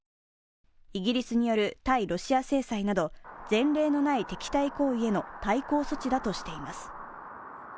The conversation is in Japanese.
イギリスによる対ロシア制裁など前例のない敵対行為への対抗措置だとしています。